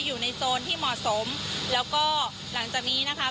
อยู่ในโซนที่เหมาะสมแล้วก็หลังจากนี้นะคะ